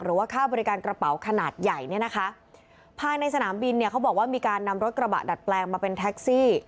หรือว่าค่าบริการกระเป๋าขนาดใหญ่เนี่ยนะคะภายในสนามบินเนี่ยเขาบอกว่ามีการนำรถกระบะดัดแปลงมาเป็นแท็กซี่